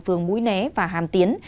phường mũi né và hàm tiến